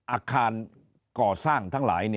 อาคารก่อสร้างทั้งหลาย